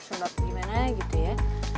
sembab gimana gitu ya